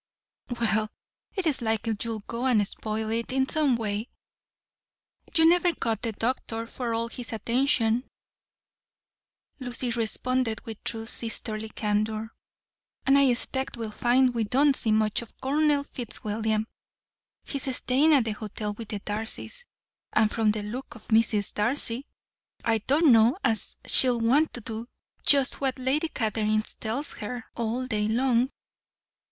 "Well, it's likely you'll go and spoil it in some way; you never caught the doctor, for all his attention," Lucy responded with true sisterly candour, "and I expect we'll find we don't see much of Colonel Fitzwilliam. He's staying at the hotel with the Darcys, and from the look of Mrs. Darcy I don't know as she'll want to do just what Lady Catherine tells her, all day long."